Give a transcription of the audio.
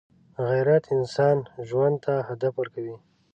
غیرت انسان ژوند ته هدف ورکوي